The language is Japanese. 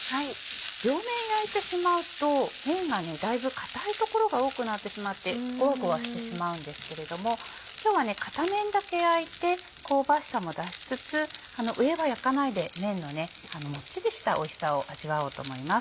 両面焼いてしまうとめんがだいぶ硬い所が多くなってしまってゴワゴワしてしまうんですけれども今日は片面だけ焼いて香ばしさも出しつつ上は焼かないでめんのモッチリしたおいしさを味わおうと思います。